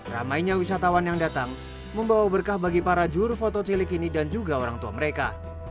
ramainya wisatawan yang datang membawa berkah bagi para juru foto cilik ini dan juga orang tua mereka